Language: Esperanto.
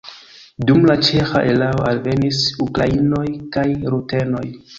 Dum la ĉeĥa erao alvenis ukrainoj kaj rutenoj.